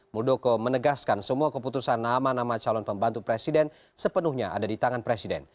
muldoko menegaskan semua keputusan nama nama calon pembantu presiden sepenuhnya ada di tangan presiden